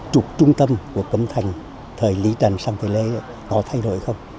trục trung tâm của cấm thành thời lý trần sang thế lê có thay đổi không